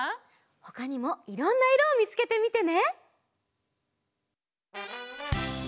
ほかにもいろんないろをみつけてみてね！